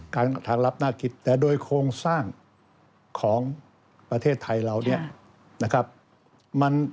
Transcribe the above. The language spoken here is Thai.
การทางลับน่าคิดแต่โดยโครงสร้างของประเทศไทยเรา